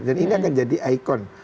dan ini akan jadi ikon